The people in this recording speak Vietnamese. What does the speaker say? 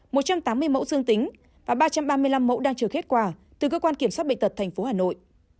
một trăm tám mươi mẫu dương tính và ba trăm ba mươi năm mẫu đang chờ kết quả từ cơ quan kiểm soát bệnh tật tp hà nội